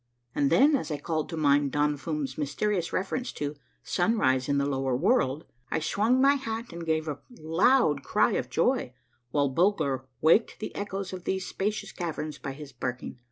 And then as I called to mind Don Fum's mys terious reference to "sunrise in the lower world," I swung my 216 A MARVELLOUS UNDERGROUND JOURNEY hat and gave a loud cry of joy, while Bulger waked the echoes of these spacious caverns by his barking.